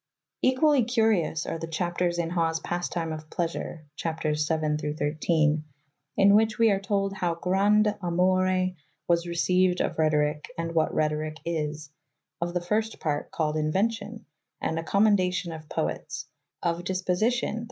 Equally curious are the chapters in Hawes' Pastime of Pleasure (chs. 7 13) 'in which we are told how Graunde Amoure "was re ' ceyved of Rethoryke, and what rethoryke is ; Of the first part, called Invencion, and a commendacion of poetes ; Of Disposition, the